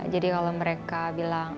jadi kalau mereka bilang